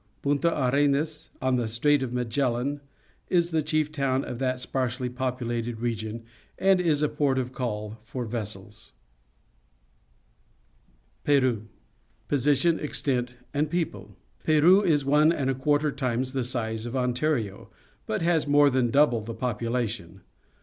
Ptinta Arenas, on the Strait of Magellan, is the chief town of that sparsely populated region and is a port of call for vessels. PERU Position, Extent, and People. — Peru is one and a quarter times the size of Ontario, but has more than double the population.